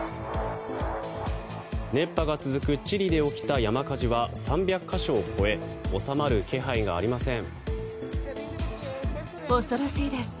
熱波が続くチリで起きた山火事は３００か所を超え収まる気配がありません。